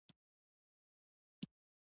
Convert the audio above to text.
د مقناطیس ځواک په فاصلې کمېږي.